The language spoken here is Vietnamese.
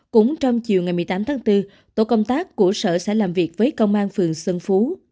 cũng trong chiều ngày một mươi tám tháng bốn tổ công tác của sở sẽ làm việc với công an phường xuân phú